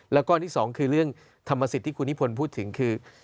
แล้วก็ที่สองคือเรื่องธรรมสิทธิ์ที่คุณนิพนธ์พูดถึงคือ